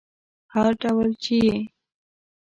هر ډول چې یې